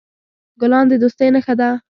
ګلان د دوستی نښه ده.